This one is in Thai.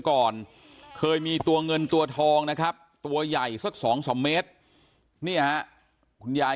ก่อนเคยมีตัวเงินตัวทองนะครับตัวใหญ่สัก๒๓เมตรเนี่ยคุณยาย